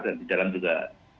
dan di dalam juga